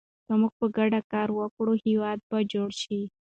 که موږ په ګډه کار وکړو، هېواد به جوړ شي.